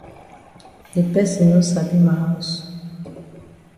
De person no sabi ma haus.